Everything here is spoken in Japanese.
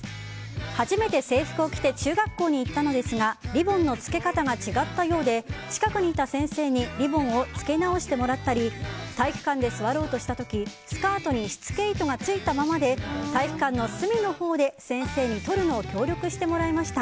初めて制服を着て中学校に行ったのですがリボンの着け方が違ったようで近くにいた先生にリボンを着け直してもらったり体育館で座ろうとした時スカートに仕付け糸がついたままで体育館の隅のほうで先生に取るのを協力してもらいました。